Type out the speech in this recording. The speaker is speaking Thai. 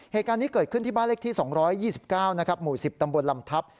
เหตุการณ์นี้เกิดขึ้นที่บ้านเลขที่๒๒๙หมู่๑๐ตำบลลำทัพ